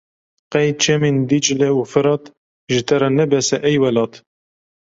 Qey çemên Dîcle û Ferat ji te re ne bes e ey welat.